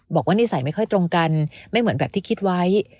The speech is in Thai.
นิสัยไม่ค่อยตรงกันไม่เหมือนแบบที่คิดไว้